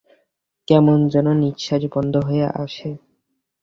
কেমন যেন নিঃশ্বাস বন্ধ হয়ে আসে।